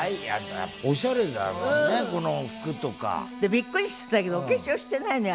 びっくりしちゃうけどお化粧してないのよ